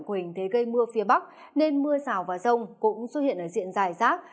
của hình thế gây mưa phía bắc nên mưa rào và rông cũng xuất hiện ở diện dài rác